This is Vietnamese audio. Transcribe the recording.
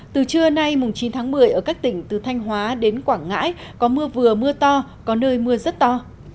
từ trưa nay chín tháng một mươi ở các tỉnh từ thanh hóa đến quảng ngãi có mưa vừa mưa to có nơi mưa rất to